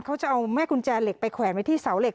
เขาจะเอาแม่กุญแจเหล็กไปแขวนไว้ที่เสาเหล็